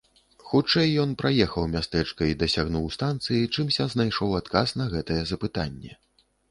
Хутчэй ён праехаў мястэчка і дасягнуў станцыі, чымся знайшоў адказ на гэтае запытанне.